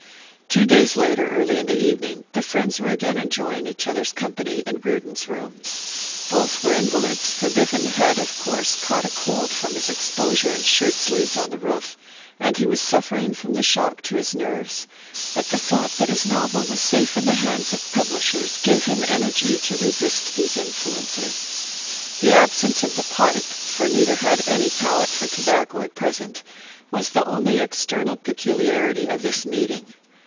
Two days later, early in the evening, the friends were again enjoying each other's company in Reardon's room. Both were invalids, for Biffen had of course caught a cold from his exposure in shirt sleeves on the roof, and he was suffering from the shock to his nerves; but the thought that his novel was safe in the hands of publishers gave him energy to resist these influences. The absence of the pipe, for neither had any palate for tobacco at present, was the only external peculiarity of this meeting.